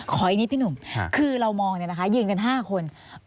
อีกนิดพี่หนุ่มคือเรามองยืนกัน๕คน